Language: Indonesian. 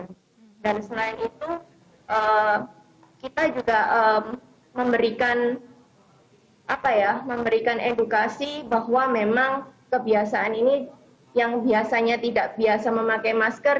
dan selain itu kita juga memberikan edukasi bahwa memang kebiasaan ini yang biasanya tidak biasa memakai masker